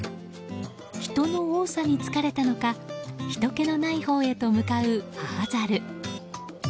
人の多さにつかれたのかひとけのないほうへと向かう母ザル。